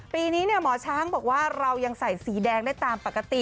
ปีนี้หมอช้างบอกว่าเรายังใส่สีแดงได้ตามปกติ